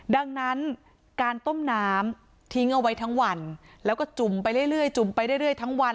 ดังนั้นการต้มน้ำทิ้งเอาไว้ทั้งวันแล้วก็จุ่มไปเรื่อยจุ่มไปเรื่อยทั้งวัน